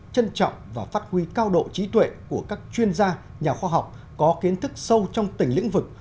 trân trọng và phát huy cao độ trí tuệ của các chuyên gia nhà khoa học có kiến thức sâu trong tình lĩnh vực